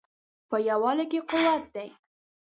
په یووالي کې قوت دی